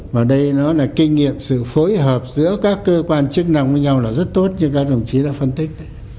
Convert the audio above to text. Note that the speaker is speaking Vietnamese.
và đây nó là kinh nghiệm sự phối hợp giữa các cơ quan chức năng với nhau là rất tốt như các đồng chí đã phân tích đấy